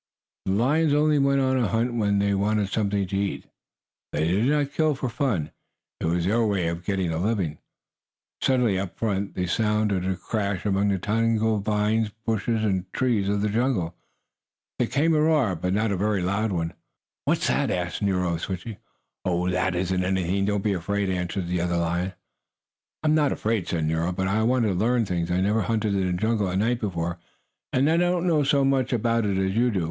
The lions only went on a hunt when they wanted something to eat. They did not kill for fun. It was their way of getting a living. Suddenly, up in front, there sounded a crash among the tangled vines, bushes and trees of the jungle. Then came a roar, but not a very loud one. "What's that?" asked Nero of Switchie. "Oh, that isn't any thing. Don't be afraid," answered the other lion. "I'm not afraid!" said Nero. "Only, I want to learn things. I never hunted in the jungle at night before, and I don't know so much about it as you do.